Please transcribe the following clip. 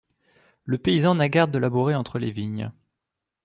Le paysan n'a garde de labourer entre les vignes.